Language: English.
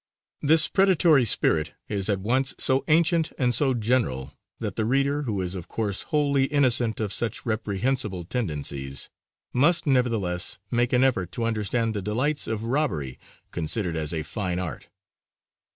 This predatory spirit is at once so ancient and so general, that the reader, who is, of course, wholly innocent of such reprehensible tendencies, must nevertheless make an effort to understand the delights of robbery considered as a fine art.